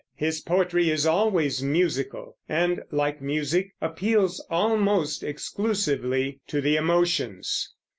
His poetry is always musical, and, like music, appeals almost exclusively to the emotions.